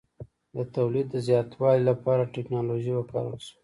د تولید د زیاتوالي لپاره ټکنالوژي وکارول شوه.